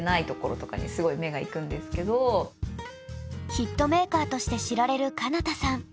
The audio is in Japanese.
ヒットメーカーとして知られるかな多さん。